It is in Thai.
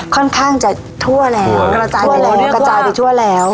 ค่อนข้างจะทั่วแล้วกระจายไปทั่วแล้ว